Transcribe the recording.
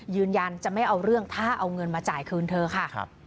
ยืนยันจะไม่เอาเรื่องถ้าเอาเงินมาจ่ายคืนเธอค่ะ